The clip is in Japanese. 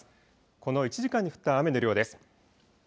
この１時間に降った雨の量です。